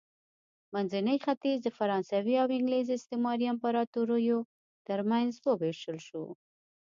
منځنی ختیځ د فرانسوي او انګلیس استعماري امپراتوریو ترمنځ ووېشل شو.